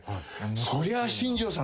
そりゃあ新庄さん